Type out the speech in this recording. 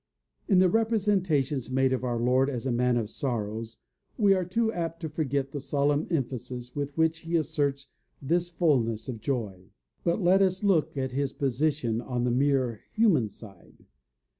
In the representations made of our Lord as a man of sorrows we are too apt to forget the solemn emphasis with which he asserts this fullness of joy. But let us look at his position on the mere human side.